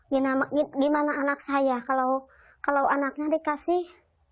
ya gimana anak saya kalau anaknya dikasih